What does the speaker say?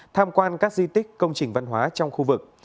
tham quan các di tích công trình văn hóa trong khu vực